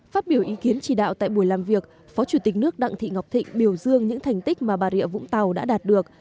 phát biểu ý kiến chỉ đạo tại buổi làm việc phó chủ tịch nước đặng thị ngọc thịnh biểu dương những thành tích mà bà rịa vũng tàu đã đạt được